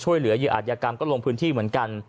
ช่วยเหลือเยี่ยอาทีกรรมก็ลงพื้นที่เหมือนกัน